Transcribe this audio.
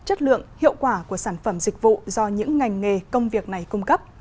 chất lượng hiệu quả của sản phẩm dịch vụ do những ngành nghề công việc này cung cấp